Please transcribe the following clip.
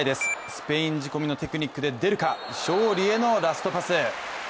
スペイン仕込みのテクニックで出るか、勝利へのラストパス。